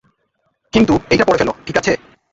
কিন্তু, এইটা পড়ে ফেল, ঠিক আছে?